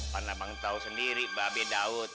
karena abang tahu sendiri mbak be daud